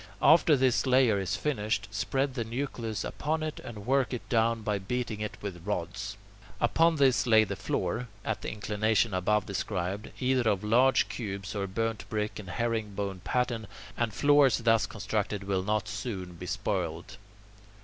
After this layer is finished, spread the nucleus upon it, and work it down by beating it with rods. Upon this lay the floor, at the inclination above described, either of large cubes or burnt brick in herring bone pattern, and floors thus constructed will not soon be spoiled.